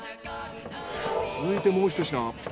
続いてもうひと品。